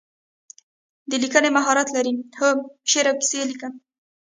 د لیکنې مهارت لرئ؟ هو، شعر او کیسې لیکم